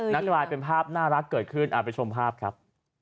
กลายเป็นภาพน่ารักเกิดขึ้นไปชมภาพครับ